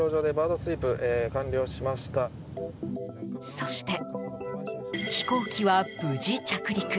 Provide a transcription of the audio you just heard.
そして、飛行機は無事着陸。